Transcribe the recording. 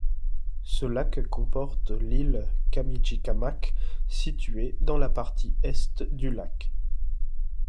Ce lac comporte l'île Kâmicikamak, située dans la partie Est du lac.